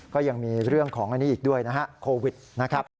ก็ยังมีเรื่องของอันนี้อีกด้วยนะฮะโควิดนะครับ